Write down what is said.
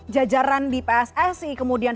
jajaran di pssi kemudian